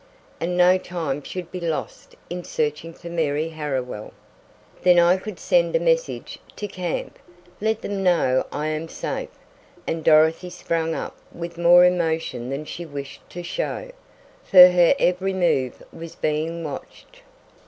"And no time should be lost in searching for Mary Harriwell." "Then I could send a message to camp? Let them know I am safe?" and Dorothy sprang up with more emotion than she wished to show, for her every move was being watched.